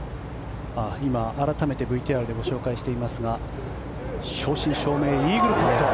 今、改めてＶＴＲでご紹介していますが正真正銘、イーグルパット。